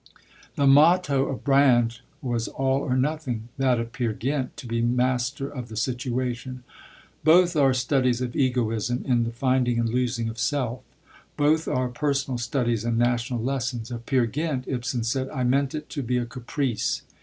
The motto of Brand was 'all or nothing'; that of Peer Gynt 'to be master of the situation.' Both are studies of egoism, in the finding and losing of self; both are personal studies and national lessons. Of Peer Gynt Ibsen said, 'I meant it to be a caprice.'